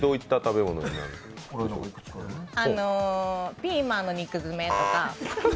ピーマンの肉詰めとか。